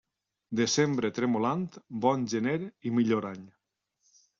Desembre tremolant, bon gener i millor any.